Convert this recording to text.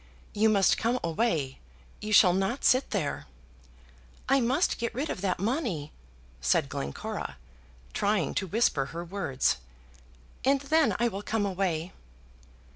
"You must come away! You shall not sit there!" "I must get rid of that money," said Glencora, trying to whisper her words, "and then I will come away."